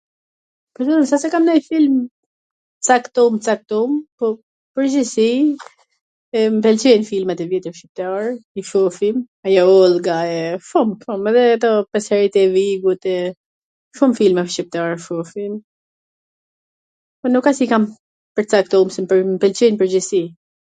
Tw drejtwn s a se kam ndonj film t caktum, t caktum, po n pwrgjitthsi m pwlqejn filmat e vjetwr shqiptar, i shofim boll kaher, edhe ato Pes herojt e Vigut, e shum filma shqiptar shofim, nuk a qw i kam pwrcaktu, m pwlqejn n pwrgjithsi.